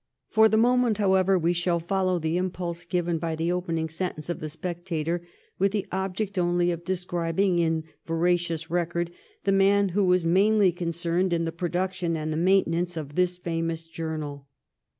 For the moment, how ever, we shall follow the impulse given by the open ing sentence of 'The Spectator' with the object only of describing in veracious record the men who were mainly concerned in the production and the maintenance of this famous journal.